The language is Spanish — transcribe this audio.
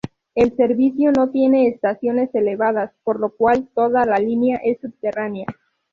El servicio no tiene estaciones elevadas, por lo cual toda la línea es subterránea.